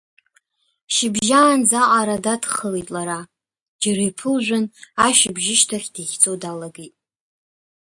Шьыбжьаанӡа аҟара дадхалеит лара, џьара иԥылжәан ашьыбжьышьҭахь дихьӡо далагеит.